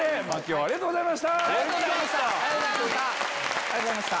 ありがとうございます。